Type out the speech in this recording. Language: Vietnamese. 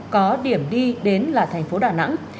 có điểm đi đến là thành phố đà nẵng